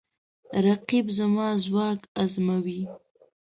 رقیب زما ځواک ازموي